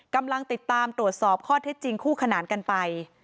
กำลังติดตามตรวจสอบข้อเท็จจริงคู่ขนานกันไป